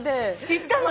行ったの？